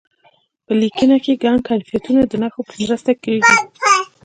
په لیکنه کې ګڼ کیفیتونه د نښو په مرسته کیږي.